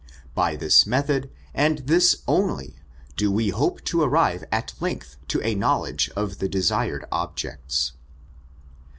By this method, and this onlyy do we hope to arrive at length to a knowledge of the desir ed objects.